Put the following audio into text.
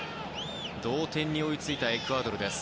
同点に追いついたエクアドルです。